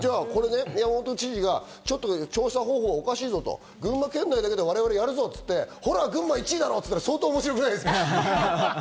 山本知事が調査方法がおかしいぞと、群馬県内だけで、我々やるぞと言って、群馬１位だろって言ったら、相当面白くないですか？